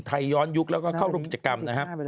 ย้อนยุคแล้วก็เข้าร่วมกิจกรรมนะครับ